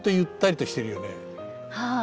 はい。